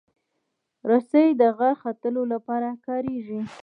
رسۍ د غر ختلو لپاره کارېږي.